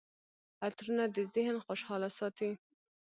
عطرونه د ذهن خوشحاله ساتي.